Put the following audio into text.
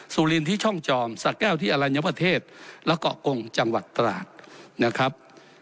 สุรินที่ช่องจอมสะแก้วที่อลัญญประเทศและเกาะกงจังหวัดตราดนะครับ